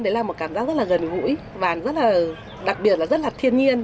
đấy là một cảm giác rất là gần gũi và rất là đặc biệt là rất là thiên nhiên